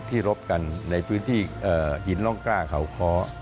รบกันในพื้นที่ดินร่องกล้าเขาค้อ